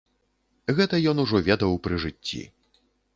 Гэта ён ужо ведаў пры жыцці.